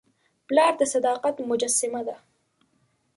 پلار د صداقت مجسمه ده.